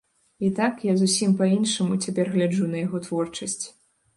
І так, я зусім па-іншаму цяпер гляджу на яго творчасць.